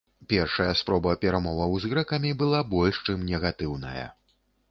Першая спроба перамоваў з грэкамі была больш чым негатыўная.